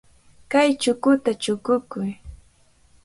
Kay chukuta chukukuy.